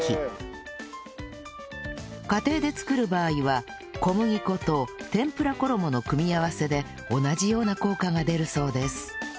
家庭で作る場合は小麦粉と天ぷら衣の組み合わせで同じような効果が出るそうです